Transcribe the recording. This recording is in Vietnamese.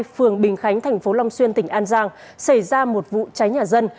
phường bình khánh tp long xuyên tỉnh an giang xảy ra một vụ cháy nhà dân